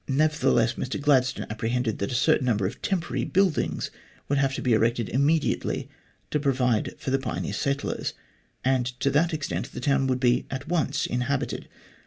Nevertheless, Mr Gladstone apprehended that a certain number of temporary buildings would have to be erected immediately to provide for the pioneer settlers, and to that extent the town would be at once inhabited.